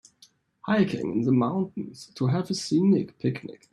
Hiking in the mountains to have a scenic picnic.